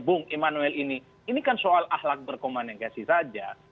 bung immanuel ini ini kan soal ahlak berkomunikasi saja